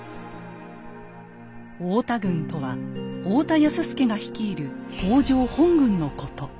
「太田軍」とは太田康資が率いる北条本軍のこと。